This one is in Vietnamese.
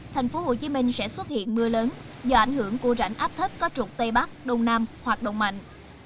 tp hcm sẽ xuất hiện mưa lớn do ảnh hưởng của rãnh áp thất có trục tây bắc đông nam hoặc đông mạnh